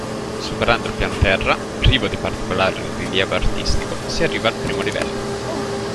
Superando il piano terra, privo di particolare rilievo artistico, si arriva al primo livello.